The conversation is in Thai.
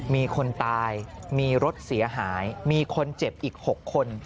มีคนตายมีรถเสียหายมีคนเจ็บอีก๖คน